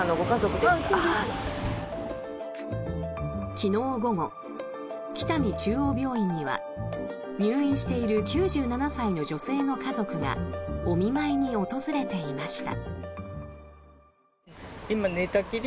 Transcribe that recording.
昨日午後、北見中央病院には入院している９７歳の女性の家族がお見舞いに訪れていました。